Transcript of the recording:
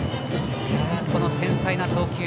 この繊細な投球。